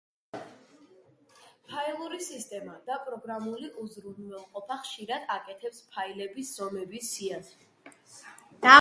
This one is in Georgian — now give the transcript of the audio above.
ფაილური სისტემა და პროგრამული უზრუნველყოფა ხშირად აკეთებს ფაილების ზომების სიას.